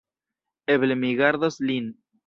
Eble mi gardos lin.